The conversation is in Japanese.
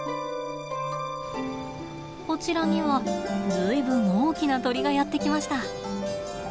こちらにはずいぶん大きな鳥がやって来ました。